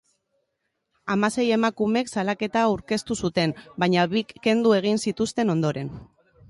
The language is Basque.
Hamasei emakumek salaketa aurkeztu zuten, baina bik kendu egin zituzten ondoren.